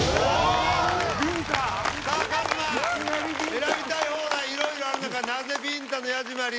選びたい放題いろいろある中でなぜびんたのヤジマリー。